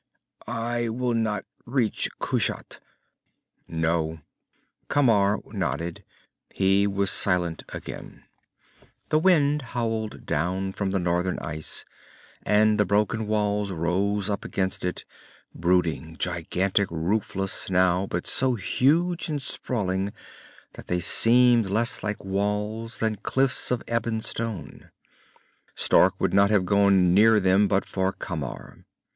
"I will not reach Kushat." "No." Camar nodded. He was silent again. The wind howled down from the northern ice, and the broken walls rose up against it, brooding, gigantic, roofless now but so huge and sprawling that they seemed less like walls than cliffs of ebon stone. Stark would not have gone near them but for Camar.